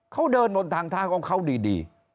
เขาเดินบนทางทางของเขาดี